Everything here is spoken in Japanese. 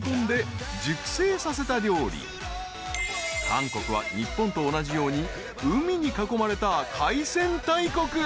［韓国は日本と同じように海に囲まれた海鮮大国］